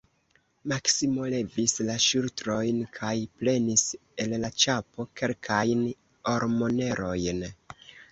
Maksimo levis la ŝultrojn kaj prenis el la ĉapo kelkajn ormonerojn.